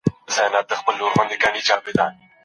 که انلاین ښوونه وي، نو لارښوونه د وسایلو له لاري وي.